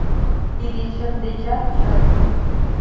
Тиде чын дечат чын!